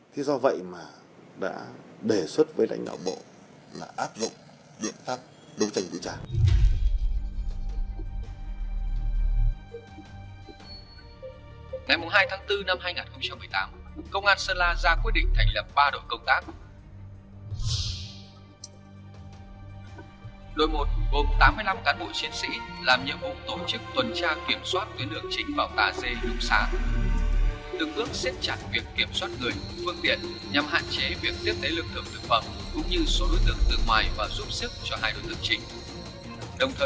thì do vậy mà đã đề xuất với đánh đảo bộ là áp dụng biện pháp đấu tranh vũ trang